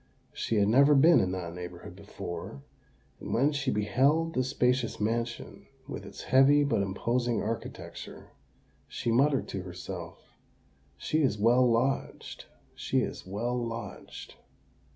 She had never been in that neighbourhood before; and when she beheld the spacious mansion, with its heavy but imposing architecture, she muttered to herself, "She is well lodged—she is well lodged!"